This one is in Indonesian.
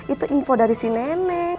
itu info dari si nenek